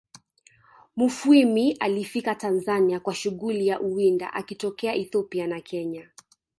Mufwimi alifika Tanzania kwa shughuli ya uwinda akitokea Ethiopia na kenya